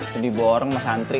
jadi di borong sama santri